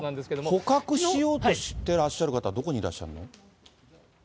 捕獲しようとしてらっしゃる方は、どこにいらっしゃるの？